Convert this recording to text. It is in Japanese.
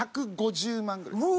１５０万ぐらいです。